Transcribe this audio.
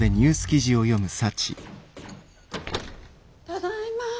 ただいま。